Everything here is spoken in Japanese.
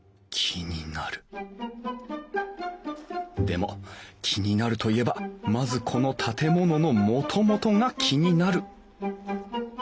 でも気になるといえばまずこの建物のもともとが気になる。